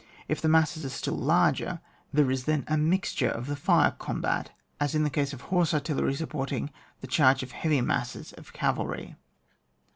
If the masses are still larger, there is then a mixture of the fire com bat, as in the case of horse artillery sup* porting the charge of heavy masses of cavalry.